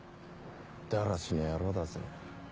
だらしねえ野郎だぜ。